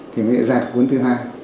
thì mới ra cuốn thứ hai